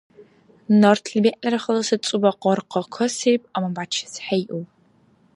Нартли бегӀлара халаси цӀуба къаркъа касиб, амма бячес хӀейуб.